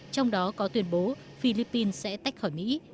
trong đó có tuyên bố philippines sẽ tách khỏi mỹ